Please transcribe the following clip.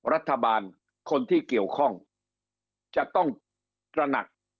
รัฐบาลคนที่เกี่ยวข้องจะต้องตระหนัก